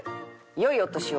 よいお年を。